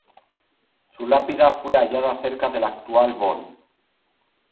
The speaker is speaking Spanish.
Su lápida fue hallada cerca de la actual Bonn.